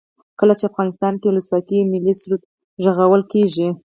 کله چې افغانستان کې ولسواکي وي ملي سرود غږول کیږي.